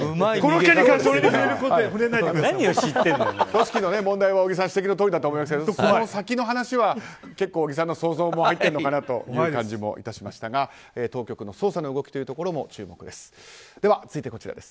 組織の問題は小木さんの指摘のとおりだと思いますがその先の話は小木さんの想像も入っている感じがしましたが当局の捜査の動きも注目です。